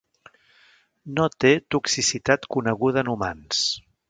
No té toxicitat coneguda en humans.